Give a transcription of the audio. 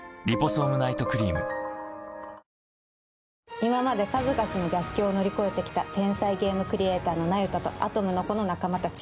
今まで数々の逆行を乗り越えて来た天才ゲームクリエイターの那由他と、「アトムの童」の仲間たち。